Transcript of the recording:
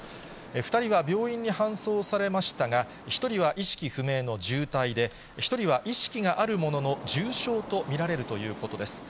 ２人が病院に搬送されましたが、１人は意識不明の重体で、１人は意識があるものの、重傷と見られるということです。